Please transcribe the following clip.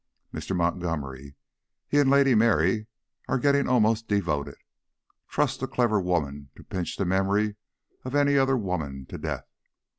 Mr. Montgomery: he and Lady Mary are getting almost devoted. Trust a clever woman to pinch the memory of any other woman to death.